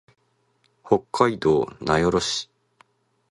北海道名寄市